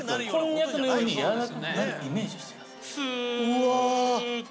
うわ！